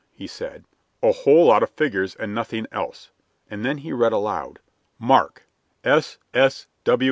he said; "a whole lot of figures and nothing else." And then he read aloud, "'Mark S. S.